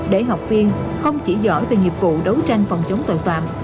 để học viên không chỉ giỏi về nghiệp vụ đấu tranh phòng chống tội phạm